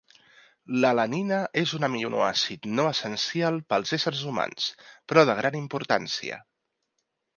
L'alanina és un aminoàcid no essencial pels éssers humans, però de gran importància.